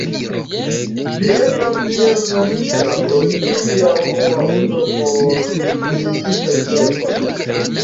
Ĝi estas tiel nomita pro sia unua uzo por militistaj ekzercoj.